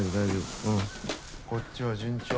こっちは順調。